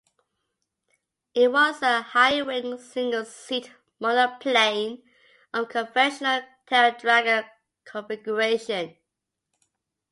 It was a high-wing, single-seat monoplane of conventional taildragger configuration.